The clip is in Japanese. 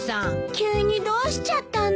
急にどうしちゃったんだろう。